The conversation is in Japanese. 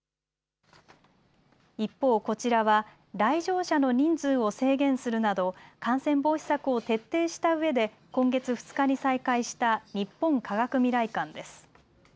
一方、こちらは来場者の人数を制限するなど感染防止策を徹底したうえで今月２日に再開した日本科学未来館です。